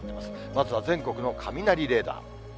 まずは全国の雷レーダー。